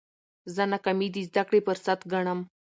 زه ناکامي د زده کړي فرصت ګڼم.